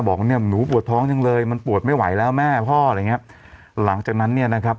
บอกเนี่ยหนูปวดท้องจังเลยมันปวดไม่ไหวแล้วแม่พ่ออะไรอย่างเงี้ยหลังจากนั้นเนี่ยนะครับ